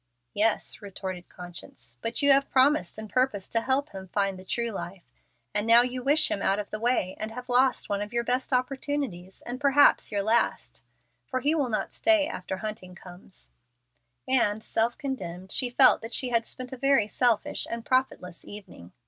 "Yes," retorted conscience, "but you have promised and purposed to help him find the true life, and now you wish him out of the way, and have lost one of your best opportunities and perhaps your last; for he will not stay after Hunting comes;" and, self condemned, she felt that she had spent a very selfish and profitless evening.